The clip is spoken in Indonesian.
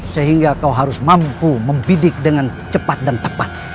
sehingga kau harus mampu membidik dengan cepat dan tepat